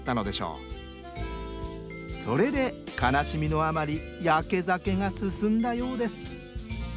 それで悲しみのあまりヤケ酒が進んだようです。